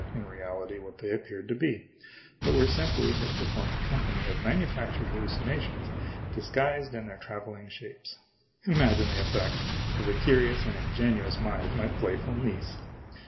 in reality, what they appeared to be, but were simply his performing company of manufactured hallucinations disguised in their traveling shapes. Imagine the effect upon the curious and ingenuous mind of my playful niece